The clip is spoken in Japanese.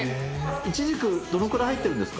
イチジク、どのくらい入ってるんですか？